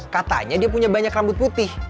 katanya dia punya banyak rambut putih